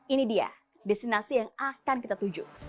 ini dia destinasi yang akan kita tuju